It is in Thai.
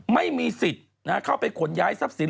ไม่มีสิทธิ์เข้าไปขนย้ายทรัพย์สิน